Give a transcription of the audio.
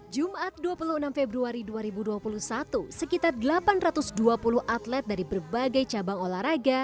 jumat dua puluh enam februari dua ribu dua puluh satu sekitar delapan ratus dua puluh atlet dari berbagai cabang olahraga